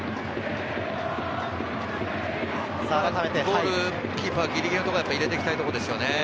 ゴールキーパーギリギリのところに入れていきたいですよね。